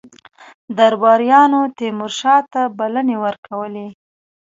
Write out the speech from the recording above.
درباریانو تیمورشاه ته بلنې ورکولې.